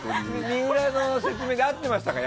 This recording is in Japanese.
水卜の説明で合ってましたか？